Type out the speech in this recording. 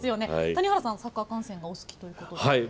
谷原さんはサッカー観戦がお好きだそうですね。